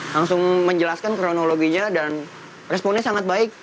langsung menjelaskan kronologinya dan responnya sangat baik